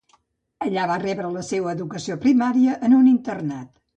Allà va rebre la seua educació primària en un internat.